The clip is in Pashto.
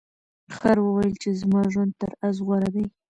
خر وویل چې زما ژوند تر اس غوره دی.